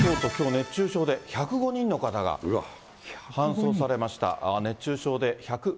熱中症で１０５人の方が搬送されました。